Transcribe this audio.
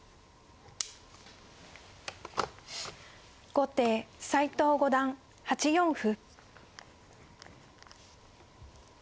後手斎藤五段８四歩。